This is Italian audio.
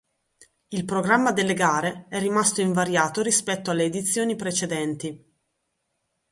Il programma delle gare è rimasto invariato rispetto alle edizioni precedenti.